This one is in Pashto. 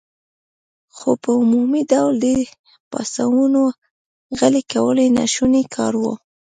خو په عمومي ډول د دې پاڅونونو غلي کول ناشوني کار و.